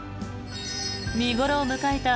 見頃を迎えた